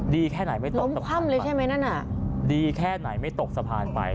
ดีแค่ไหนไม่ตกสะพานไป